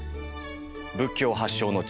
仏教発祥の地